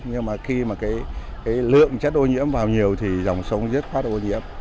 nhưng mà khi mà cái lượng chất ô nhiễm vào nhiều thì dòng sông rất phát ô nhiễm